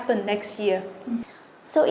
có thể xảy ra vào năm tới